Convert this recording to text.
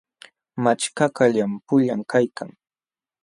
Machkakaq llampullam kaykan.